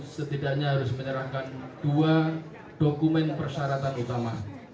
setidaknya harus menyerahkan dua dokumen persyaratan utama